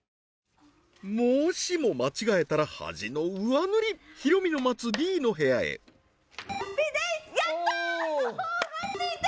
もしも間違えたら恥の上塗りヒロミの待つＢの部屋へやったー！